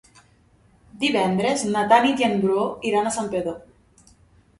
Divendres na Tanit i en Bru iran a Santpedor.